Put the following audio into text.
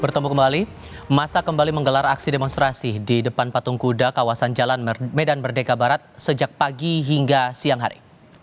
bertemu kembali masa kembali menggelar aksi demonstrasi di depan patung kuda kawasan jalan medan merdeka barat sejak pagi hingga siang hari